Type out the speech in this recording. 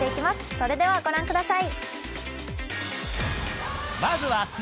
それではご覧ください。